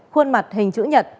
khuôn mặt hình chữ nhật